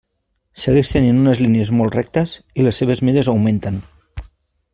Segueix tenint unes línies molt rectes i les seves mides augmenten.